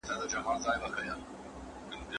لاس لیکنه د پوهي د ثابتولو وسیله ده.